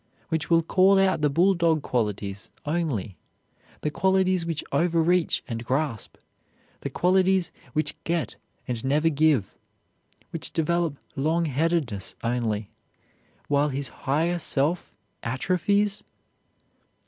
which will call out the bulldog qualities only, the qualities which overreach and grasp, the qualities which get and never give, which develop long headedness only, while his higher self atrophies?